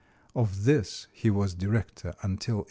Of this he was director until 1867.